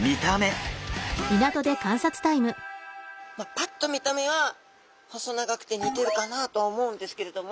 ぱっと見た目は細長くて似てるかなとは思うんですけれども。